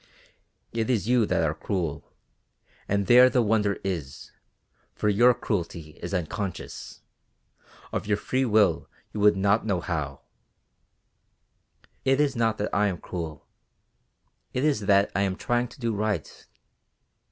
"It is you that are cruel, and there the wonder is, for your cruelty is unconscious, of your own free will you would not know how." "It is not that I am cruel, it is that I am trying to do right.